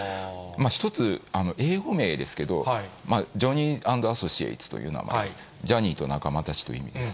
１つ英語名ですけれども、ジョニーアンドアソシエイツという名前で、ジャニーと仲間たちという意味です。